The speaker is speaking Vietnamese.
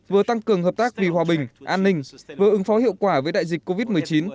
vừa tăng cường hợp tác vì hòa bình an ninh vừa ứng phó hiệu quả với đại dịch covid một mươi chín